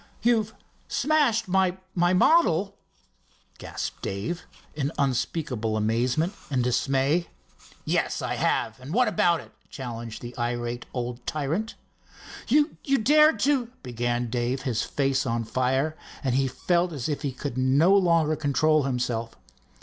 "You've—smashed—my—model!" gasped Dave, in unspeakable amazement and dismay. "Yes, I have. What about it?" challenged the irate old tyrant. "You dared to—" began Dave, his face on fire, and he felt as if he could no longer control himself.